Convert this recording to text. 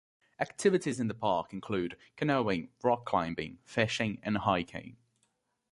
Activities in the park include canoeing, rock climbing, fishing, and hiking.